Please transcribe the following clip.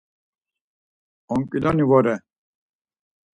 Onǩiloni vore.